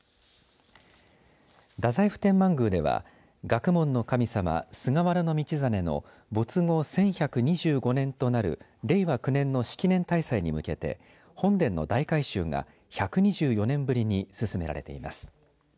太宰府天満宮では学問の神様、菅原道真の没後１１２５年となる令和９年の式年大祭に向けて本殿の大改修が１２４年ぶりに進められています。